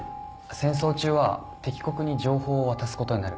戦争中は敵国に情報を渡すことになる。